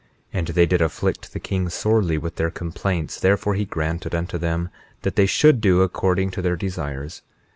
And they did afflict the king sorely with their complaints; therefore he granted unto them that they should do according to their desires.